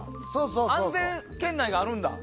安全圏内があるんだ。